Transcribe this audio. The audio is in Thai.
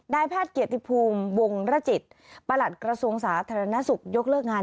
แพทย์เกียรติภูมิวงรจิตประหลัดกระทรวงสาธารณสุขยกเลิกงาน